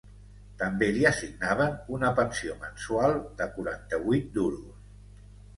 També li assignaven una pensió mensual de quaranta-vuit duros.